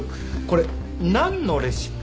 これなんのレシピ？